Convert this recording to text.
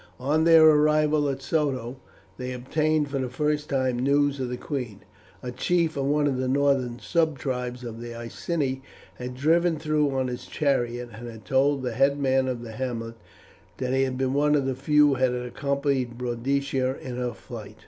On their arrival at Soto they obtained for the first time news of the queen. A chief of one of the northern subtribes of the Iceni had driven through on his chariot and had told the headman of the hamlet that he had been one of the few who had accompanied Boadicea in her flight.